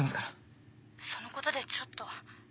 そのことでちょっと。